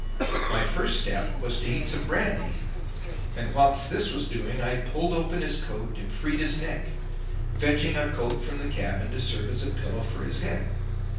My first step was to heat some brandy, and whilst this was doing I pulled open his coat and freed his neck, fetching a coat from the cabin to serve as a pillow for his head.